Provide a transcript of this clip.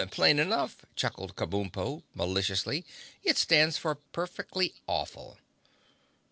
"Plain enough," chuckled Kabumpo, maliciously. "It stands for perfectly awful!"